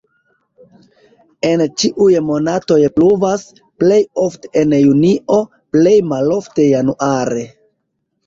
En ĉiuj monatoj pluvas, plej ofte en junio, plej malofte januare.